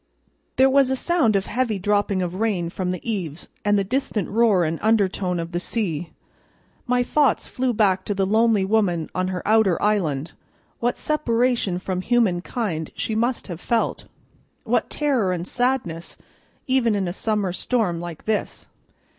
There was a sound of heavy dropping of rain from the eaves, and the distant roar and undertone of the sea. My thoughts flew back to the lonely woman on her outer island; what separation from humankind she must have felt, what terror and sadness, even in a summer storm like this!